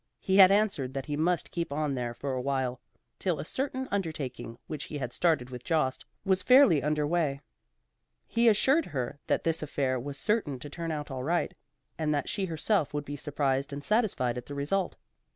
He had answered that he must keep on there for awhile, till a certain undertaking which he had started with Jost was fairly under way. He assured her that this affair was certain to turn out all right, and that she herself would be surprised and satisfied at the result.